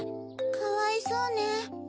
かわいそうね。